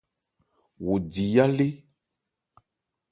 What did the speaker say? Wo di yá lé.